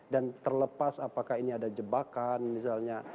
dan terlepas apakah ini ada jebakan misalnya